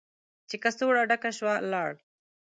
چې کڅوړه ډکه شوه، لاړ.